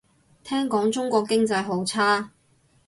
聽講中國經濟好差